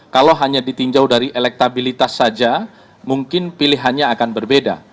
kalau hanya ditinjau dari elektabilitas saja mungkin pilihannya akan berbeda